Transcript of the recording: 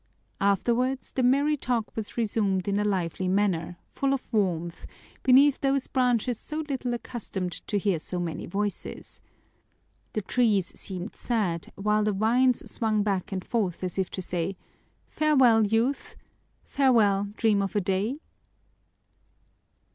Afterwards, the merry talk was resumed in a lively manner, full of warmth, beneath those branches so little accustomed to hear so many voices. The trees seemed sad, while the vines swung back and forth as if to say, "Farewell, youth! Farewell, dream of a day!"